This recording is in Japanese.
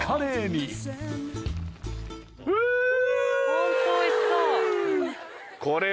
ホントおいしそう。